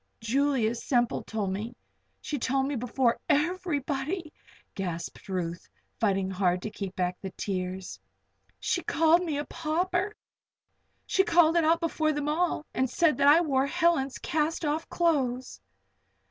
"Julia Semple told me she told me before everybody!" gasped Ruth, fighting hard to keep back the tears. "She called me a pauper! She called it out before them all, and said that I wore Helen's cast off clothes!"